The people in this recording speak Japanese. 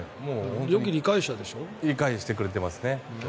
理解してくれてますね。